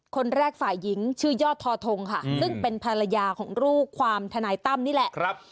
คนแรกฝ่ายหญิงชื่อยอดทอทงค่ะซึ่งเป็นภรรยาของลูกความทนายตั้มนี่แหละ